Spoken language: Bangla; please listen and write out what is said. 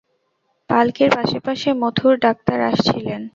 পাল্কির পাশে পাশে মথুর ডাক্তার আসছিলেন।